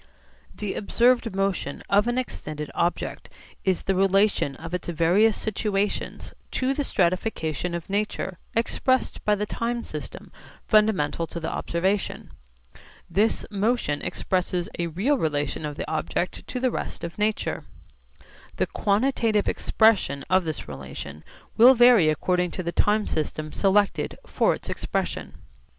The observed motion of an extended object is the relation of its various situations to the stratification of nature expressed by the time system fundamental to the observation. This motion expresses a real relation of the object to the rest of nature. The quantitative expression of this relation will vary according to the time system selected for its expression.